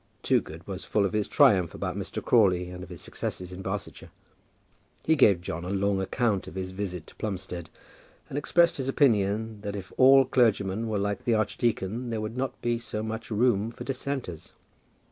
Toogood was full of his triumph about Mr. Crawley and of his successes in Barsetshire. He gave John a long account of his visit to Plumstead, and expressed his opinion that if all clergymen were like the archdeacon there would not be so much room for Dissenters.